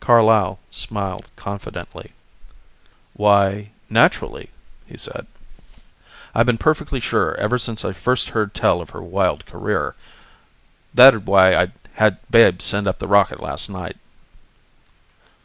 Carlyle smiled confidently. "Why naturally," he said "I've been perfectly sure ever since I first heard tell of her wild career. That'd why I had Babe send up the rocket last night."